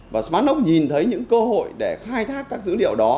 và smart lock nhìn thấy những cơ hội để khai thác các dữ liệu đó